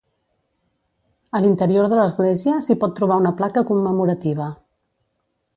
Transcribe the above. A l'interior de l'església s'hi pot trobar una placa commemorativa.